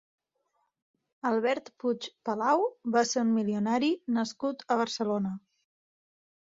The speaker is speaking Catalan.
Albert Puig Palau va ser un milionari nascut a Barcelona.